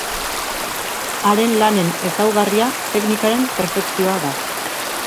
Haren lanen ezaugarria teknikaren perfekzioa da.